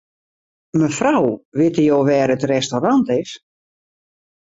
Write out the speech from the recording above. Mefrou, witte jo wêr't it restaurant is?